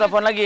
cepet pak rt